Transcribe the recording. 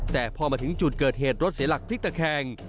แต่พอมาถึงจุดเกิดเหตุรถเสียหลักพลิกตะแคง